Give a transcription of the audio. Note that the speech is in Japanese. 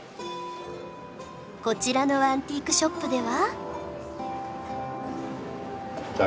こちらのアンティークショップでは。